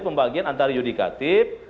pembagian antara yudikatif